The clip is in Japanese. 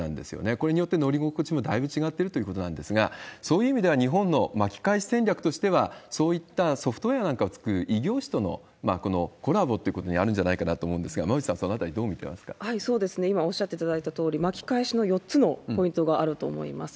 これによって乗り心地もだいぶ違っているということなんですが、そういう意味では、日本の巻き返し戦略としては、そういったソフトウエアなんかを作る異業種とのコラボということにあるんじゃないかなと思うんですが、馬渕さん、そのあたりどう今おっしゃっていただいたとおり、巻き返しの４つのポイントがあると思います。